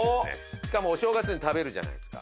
しかもお正月に食べるじゃないですか。